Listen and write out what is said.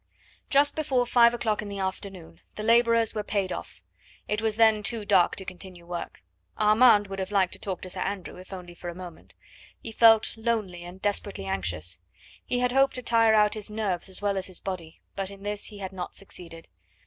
Just before five o'clock in the afternoon the labourers were paid off. It was then too dark to continue work. Armand would have liked to talk to Sir Andrew, if only for a moment. He felt lonely and desperately anxious. He had hoped to tire out his nerves as well as his body, but in this he had not succeeded.